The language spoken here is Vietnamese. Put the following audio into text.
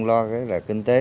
lo cái là kinh tế